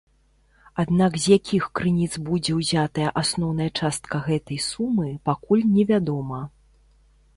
Аднак з якіх крыніц будзе ўзятая асноўная частка гэтай сумы, пакуль невядома.